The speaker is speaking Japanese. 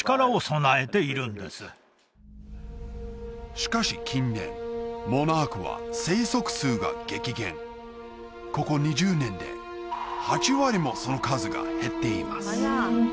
しかし近年モナークは生息数が激減ここ２０年で８割もその数が減っています